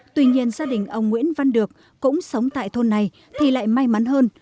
tuy nhiên gia đình ông nguyễn văn được cũng sống tại thôn này thì lại may mắn hơn